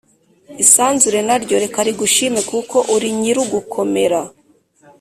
Isanzure naryo reka rigushime kuko urinyirugukomera